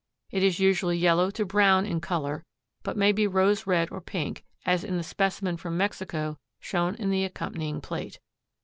It is usually yellow to brown in color, but may be rose red or pink, as in the specimen from Mexico shown in the accompanying plate.